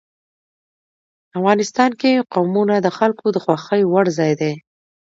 افغانستان کې قومونه د خلکو د خوښې وړ ځای دی.